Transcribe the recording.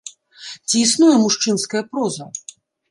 Ці існуе мужчынская проза?